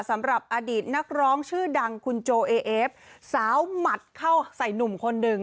สำหรับอดีตนักร้องชื่อดังคุณโจเอเอฟสาวหมัดเข้าใส่หนุ่มคนหนึ่ง